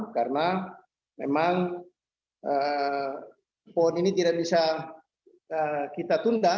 karena memang pon ini tidak bisa kita tunda